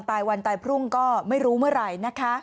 วันตายพรุ่งก็ไม่รู้เมื่อไหร่นะคะ